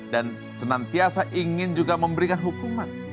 dan senantiasa ingin juga memberikan hukuman